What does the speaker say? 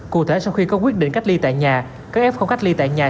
cụ thể sau khi có quyết định cách ly tại nhà các em không cách ly tại nhà